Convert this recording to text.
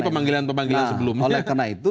pemanggilan pemanggilan sebelum oleh karena itu